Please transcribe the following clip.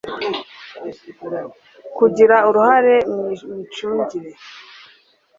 kugira uruhare mu micungire